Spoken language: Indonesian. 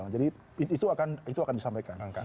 jadi itu akan disampaikan